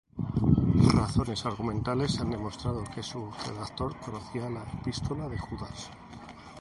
Razones argumentales han demostrado que su redactor conocía la epístola de Judas.